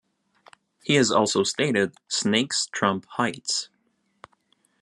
He has also stated, "Snakes trump heights!".